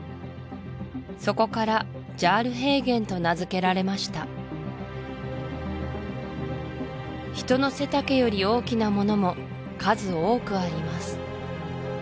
そこからジャール平原と名付けられました人の背丈より大きなものも数多くあります